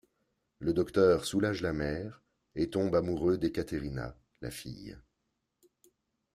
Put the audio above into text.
Le docteur soulage la mère et tombe amoureux d’Ekatérina, la fille.